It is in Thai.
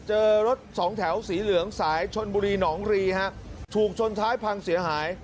เจอรถสองแถวสีเหลืองสายชนบุรีหนองรีฮะถูกชนท้ายพังเสียหาย